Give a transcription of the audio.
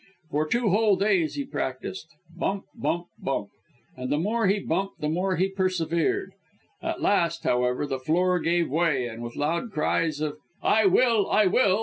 For two whole days he practised bump bump bump and the more he bumped, the more he persevered. At last, however, the floor gave way, and with loud cries of "I will! I will!"